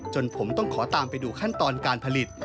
จนผมต้องขอตามไปดูขั้นตอนการผลิต